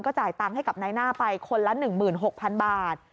จ่ายตังค์ให้กับนายหน้าไปคนละ๑๖๐๐๐บาท